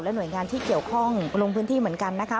หน่วยงานที่เกี่ยวข้องลงพื้นที่เหมือนกันนะคะ